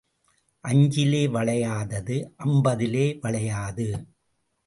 அஞ்சிலே வளையாதது அம்பதிலே வளையாது.